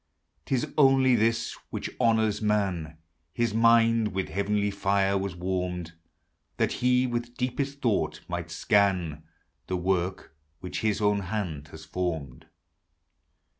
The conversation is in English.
'T is only this which honors man ; His mind with heavenly fire was warmed, LABOR AND REST. 113 That he with deepest thought might scan The work which his own hand has formed.